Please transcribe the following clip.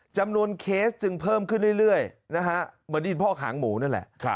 เคสจึงเพิ่มขึ้นเรื่อยนะฮะเหมือนดินพอกหางหมูนั่นแหละ